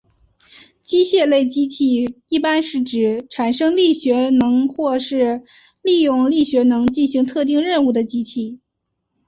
机械类机器一般是指产生力学能或是利用力学能进行特定任务的机器。